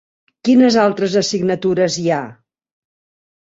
Quines altres assignatures hi ha?